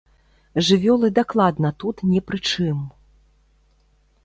Жывёлы дакладна тут не пры чым.